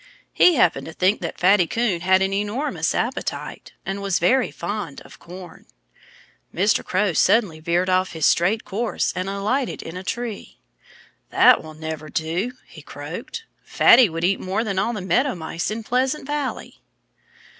He happened to think that Fatty Coon had an enormous appetite and was very fond of corn. Mr. Crow suddenly veered off his straight course and alighted in a tree. "That will never do," he croaked. "Fatty would eat more than all the Meadow Mice in Pleasant Valley."